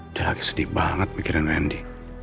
udah sedih banget mikirin wendy